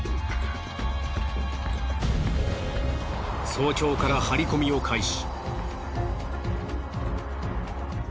早朝から張り込みを開始。